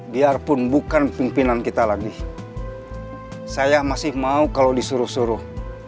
biarpun bukan pimpinan kita lagi saya masih mau kalau disuruh suruh